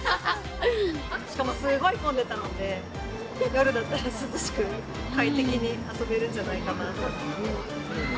しかもすごい混んでたので、夜だったら涼しく快適に遊べるんじゃないかなと思って。